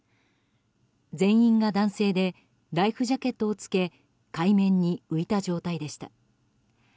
全員が男性でライフジャケットを着け海面に浮いた状態でした。